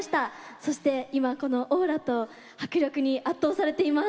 そして今このオーラと迫力に圧倒されています。